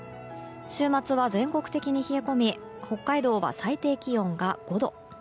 週末は全国的に冷え込み北海道は最低気温が５度。